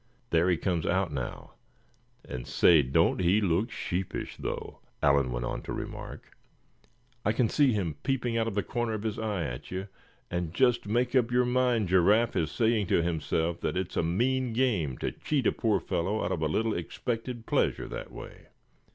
"There he comes out now, and say, don't he look sheepish, though?" Allan went on to remark. "I can see him peeping out of the corner of his eye at you; and just make up your mind Giraffe is saying to himself that it's a mean game to cheat a poor fellow out of a little expected pleasure that way."